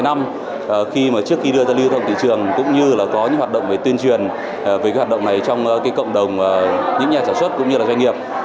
trước khi đưa ra lưu thuận thị trường cũng như là có những hoạt động về tuyên truyền với hạt động này trong cộng đồng những nhà sản xuất cũng như doanh nghiệp